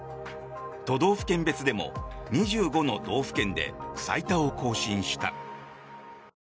都道府県別でも２５の道府県で最多を更新した。